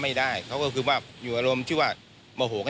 ไม่รู้ว่าใครชกต่อยใครก่อนล่ะค่ะตอนเห็นก็ชุดละมุนต่อยกันอยู่แล้วอะนะคะ